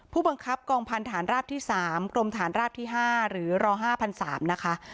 ผู้บังคับกองพันธานราบที่๓กรมฐานราบที่๕หรือร๕๓๐๐นะคะ